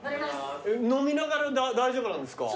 飲みながら大丈夫なんですか？